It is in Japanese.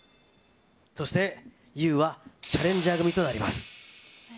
そして、ユウはチャレンジャー組となります。